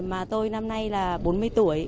mà tôi năm nay là bốn mươi tuổi